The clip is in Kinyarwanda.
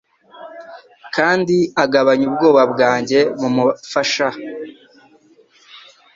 kandi agabanya ubwoba bwanjye mumufasha